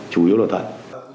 chủ yếu nội tạng